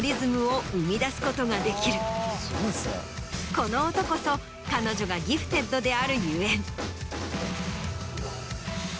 この音こそ彼女がギフテッドであるゆえん。